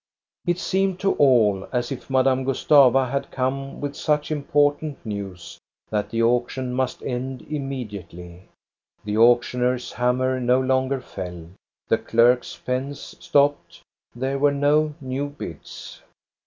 It seemed to all as if Madame Gustava had come with such important news that the auction must end immediately. The auctioneer's hammer no longer fell, the clerks' pens stopped, there were no new bids.